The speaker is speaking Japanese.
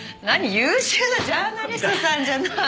優秀なジャーナリストさんじゃない。